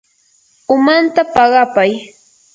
umanta paqapay.